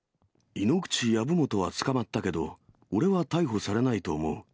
井ノ口、籔本は捕まったけど、俺は逮捕されないと思う。